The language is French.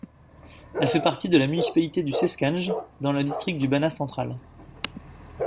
Elle fait partie de la municipalité de Sečanj dans le district du Banat central.